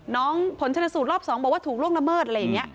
ผลชนสูตรรอบ๒บอกว่าถูกล่วงละเมิดอะไรอย่างนี้